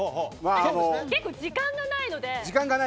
結構、時間がないので。